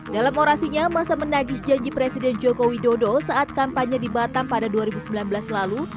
dalam orasinya masa menagih janji presiden joko widodo saat kampanye di batam pada dua ribu sembilan belas lalu